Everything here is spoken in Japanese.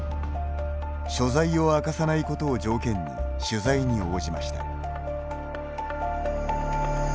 所在を明かさないことを条件に取材に応じました。